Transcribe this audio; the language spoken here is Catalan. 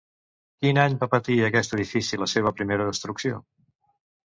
Quin any va patir aquest edifici la seva primera destrucció?